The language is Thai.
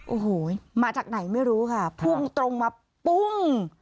โอ้โหมาจากไหนไม่รู้ค่ะพุ่งตรงมาปุ้ง